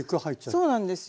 そうなんですよ。